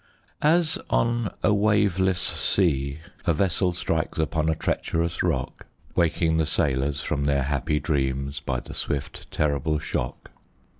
As on a waveless sea, a vessel strikes Upon a treacherous rock; Waking the sailors from their happy dreams By the swift, terrible shock.